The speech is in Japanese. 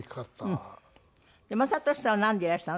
で雅俊さんはなんでいらしたの？